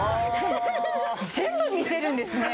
全部見せるんですね。